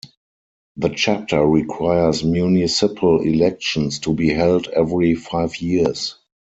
The chapter requires municipal elections to be held every five years.